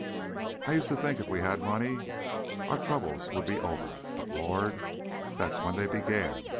I use' to think if we had money our troubles would be over, but Lord, that's when they begin!